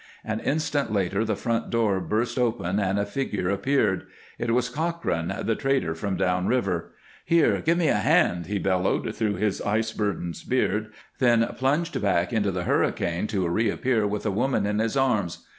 An instant later the front door burst open and a figure appeared; it was Cochrane, the trader from down river. "Here! Give me a hand!" he bellowed through his ice burdened beard, then plunged back into the hurricane to reappear with a woman in his arms.